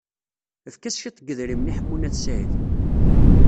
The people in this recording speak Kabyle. Efk-as cwiṭ n yidrimen i Ḥemmu n At Sɛid.